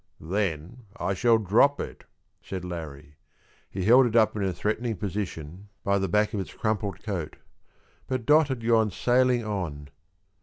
"Then I shall drop it," said Larrie. He held it up in a threatening position by the back of its crumpled coat, but Dot had gone sailing on.